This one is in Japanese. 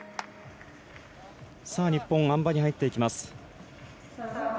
日本、あん馬に入っていきます。